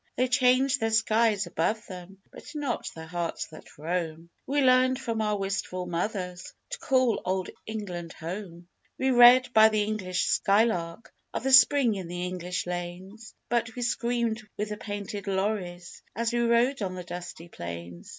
They change their skies above them, But not their hearts that roam! We learned from our wistful mothers To call old England "home"; We read of the English sky lark, Of the spring in the English lanes, But we screamed with the painted lories As we rode on the dusty plains!